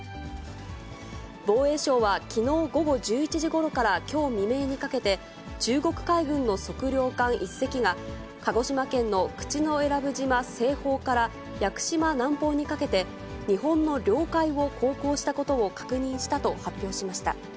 防衛省はきのう午後１１時ごろからきょう未明にかけて、中国海軍の測量艦１隻が、鹿児島県の口永良部島西方から屋久島南方にかけて、日本の領海を航行したことを確認したと発表しました。